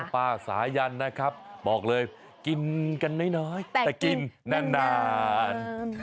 ป้าสายันนะครับบอกเลยกินกันน้อยแต่กินนาน